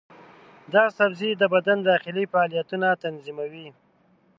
دا سبزی د بدن داخلي فعالیتونه تنظیموي.